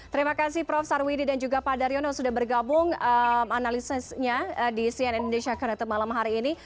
terima kasih prof sarwidi dan juga pak daryono sudah bergabung analisisnya di cnn indonesia connected malam hari ini